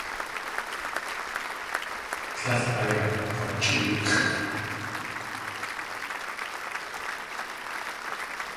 Tlél ayakg̲wachʼéex̲ʼ.